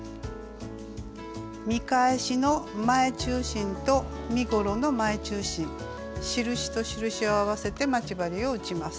見返しの前中心と身ごろの前中心印と印を合わせて待ち針を打ちます。